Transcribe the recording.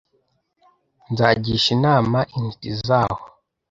nzagisha inama intiti zaho